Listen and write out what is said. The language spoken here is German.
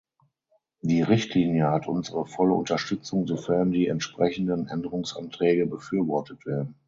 Die Richtlinie hat unsere volle Unterstützung, sofern die entsprechenden Änderungsanträge befürwortet werden.